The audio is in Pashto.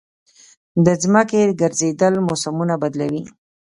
د ځمکې ګرځېدل موسمونه بدلوي.